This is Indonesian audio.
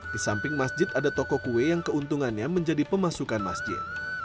di samping masjid ada toko kue yang keuntungannya menjadi pemasukan masjid